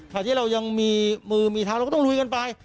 ที่เรายังมีมือมีเท้าเราก็ต้องลุยกันไป